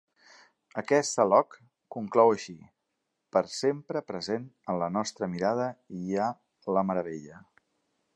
Aquest salok conclou així: Per sempre present en la nostra mirada hi ha la meravella.